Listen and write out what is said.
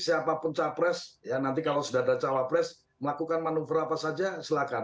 siapapun capres ya nanti kalau sudah ada cawapres melakukan manuver apa saja silakan